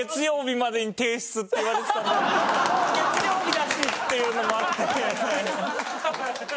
もう月曜日だしっていうのもあって。